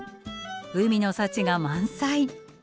海の幸が満載。